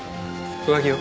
上着を。